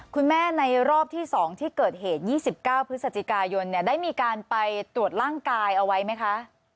ในรอบที่๒ที่เกิดเหตุ๒๙พฤศจิกายนได้มีการไปตรวจร่างกายเอาไว้ไหมคะ